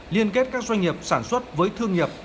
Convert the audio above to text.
liên kết các doanh nghiệp sản xuất với thương nghiệp